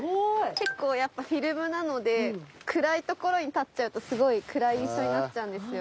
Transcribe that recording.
結構やっぱフィルムなので暗いところに立っちゃうとすごい暗い印象になっちゃうんですよ。